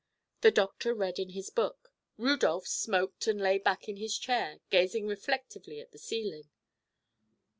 The doctor read in his book. Rudolph smoked and lay back in his chair, gazing reflectively at the ceiling.